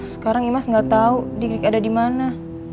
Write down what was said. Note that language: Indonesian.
sekarang imas gak tau dik dik ada dimana